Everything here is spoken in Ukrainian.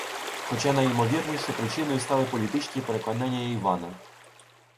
хоча найімовірніше причиною стали політичні переконання Івана